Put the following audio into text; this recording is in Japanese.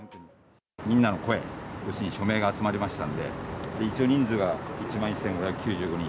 みんなの声、署名が集まりましたので、一応、人数が１万１５９５人。